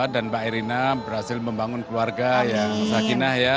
dan pak erina berhasil membangun keluarga yang seakinah ya